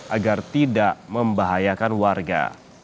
agar tidak membahayakan warga